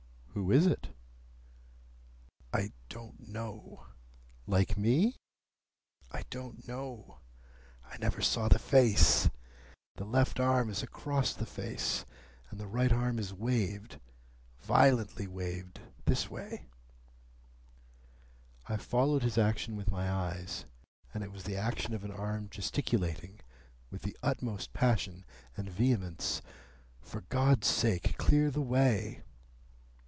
"Who is it?" "I don't know." "Like me?" "I don't know. I never saw the face. The left arm is across the face, and the right arm is waved,—violently waved. This way." I followed his action with my eyes, and it was the action of an arm gesticulating, with the utmost passion and vehemence, "For God's sake, clear the way!"